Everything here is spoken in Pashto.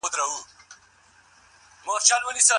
دوی وویل چې تاریخ د ملتونو د ژوند حافظه ده.